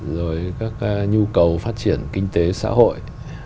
rồi các nhu cầu phát triển kinh tế xã hội